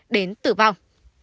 đến tử vong